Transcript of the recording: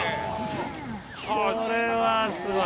これはすごい。